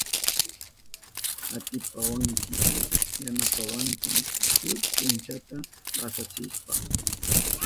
¿Atipawankichu yanapawanata shuk punchata pasachishpa?